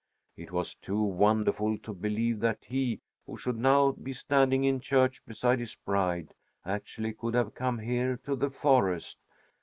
It was too wonderful to believe that he, who should now be standing in church beside his bride, actually could have come here to the forest.